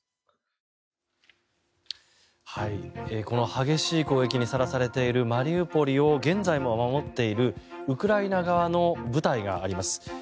この激しい攻撃にさらされているマリウポリを現在も守っているウクライナ側の部隊があります。